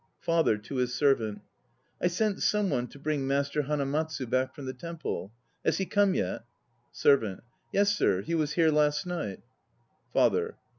FATHER (to his SERVANT). I sent some one to bring Master Hanamatsu back from the temple. Has he come yet? SERVANT. Yes, sir. He was here last night. FATHER.